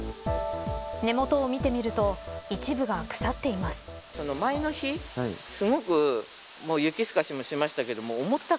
根元を見てみると一部が腐っています。